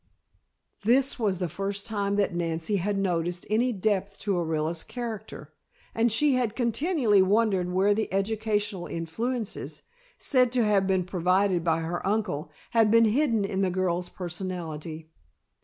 This was the first time that Nancy had noticed any depth to Orilla's character, and she had continually wondered where the educational influences, said to have been provided by her uncle, had been hidden in the girl's personality.